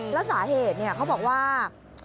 แล้วสาเหตุเขาบอกว่า